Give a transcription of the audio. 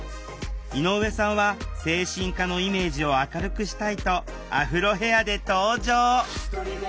井上さんは精神科のイメージを明るくしたいとアフロヘアで登場！